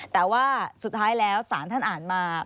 แต่ว่าสุดท้ายแล้วศาลท่านอ่านมา